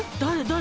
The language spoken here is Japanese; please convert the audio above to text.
誰？